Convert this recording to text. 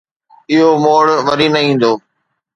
اهو موڙ وري نه ايندو